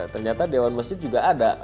ternyata dewan masjid juga ada